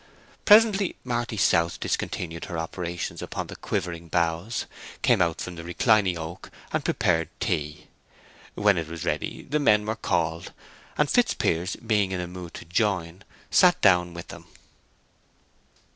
Presently Marty South discontinued her operations upon the quivering boughs, came out from the reclining oak, and prepared tea. When it was ready the men were called; and Fitzpiers being in a mood to join, sat down with them.